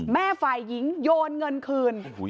ฝ่ายหญิงโยนเงินคืน